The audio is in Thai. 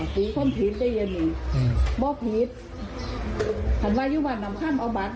หรือตอนนี้เจ้าหนี่แม่ก็คิดว่ามันเหตุ